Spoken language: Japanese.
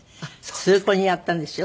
通行人やったんですよ。